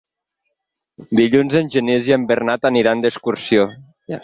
Dilluns en Genís i en Bernat aniran d'excursió.